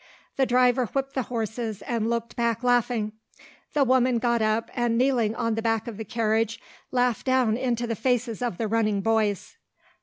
The driver whipped the horses and looked back laughing. The woman got up and kneeling on the seat of the carriage laughed down into the faces of the running boys.